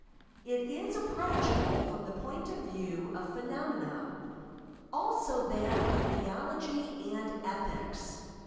It is approachable from the point of view of phenomena; also that of theology and ethics.